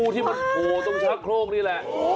ที่มันกรัวต้องชักโครกนี่แหละ